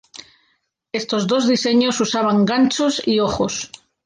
Estos dos diseños usaban ganchos y ojos.